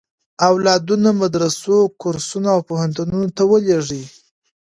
اولادونه مدرسو، کورسونو او پوهنتونونو ته ولېږي.